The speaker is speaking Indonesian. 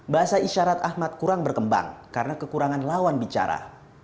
bahasa isyarat ahmad kurang berkembang karena kekurangan lawan bicara